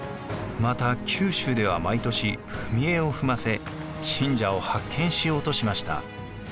また九州では毎年踏絵を踏ませ信者を発見しようとしました。